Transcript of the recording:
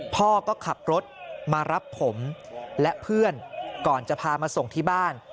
พ่อก็ขับรถมารับผมและเพื่อนก่อนจะพามาส่งที่บ้าน